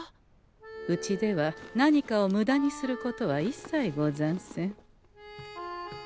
うちでは何かをむだにすることはいっさいござんせん。